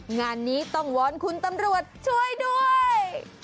งานนี้ต้องวอนคุณตำรวจช่วยด้วย